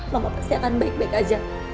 mama pasti akan beritahu